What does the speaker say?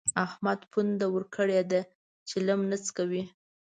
احمد پونده ورکړې ده؛ چلم نه څکوي.